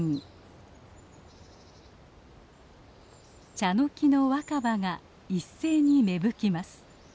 チャノキの若葉が一斉に芽吹きます。